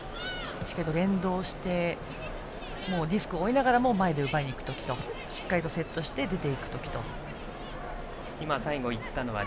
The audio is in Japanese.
しっかりと連動してリスクを負いながら前で奪いに行く時としっかりとセットして出て行く時と。